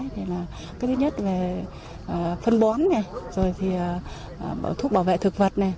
cái thứ nhất là phân bón thuốc bảo vệ thực vật